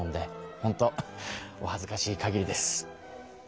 ホントおはずかしい限りです。